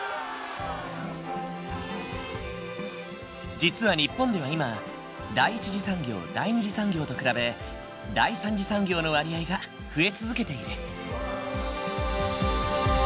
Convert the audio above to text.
実は日本では今第一次産業第二次産業と比べ第三次産業の割合が増え続けている。